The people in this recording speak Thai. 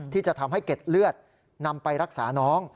ที่จะทำให้เก็ดเลือดนำไปรักษาน้อง